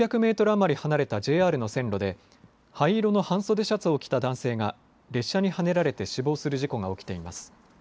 余り離れたＪＲの線路で灰色の半袖シャツを着た男性が列車にはねられて死亡する事故が起きています。